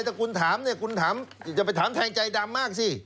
ถ้าคุณถามเนี่ยคุณถามอย่าไปถามแทนใจดำมากสิ